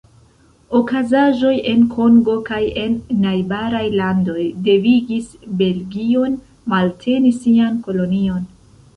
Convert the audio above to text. Okazaĵoj en Kongo kaj en najbaraj landoj devigis Belgion malteni sian kolonion.